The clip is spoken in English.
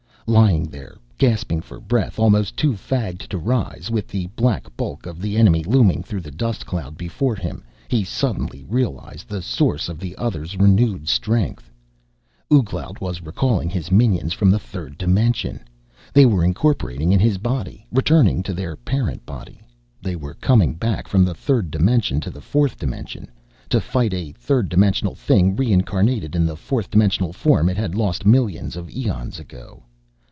Lying there, gasping for breath, almost too fagged to rise, with the black bulk of the enemy looming through the dust cloud before him, he suddenly realized the source of the other's renewed strength. Ouglat was recalling his minions from the third dimension! They were incorporating in his body, returning to their parent body! They were coming back from the third dimension to the fourth dimension to fight a third dimensional thing reincarnated in the fourth dimensional form it had lost millions of eons ago!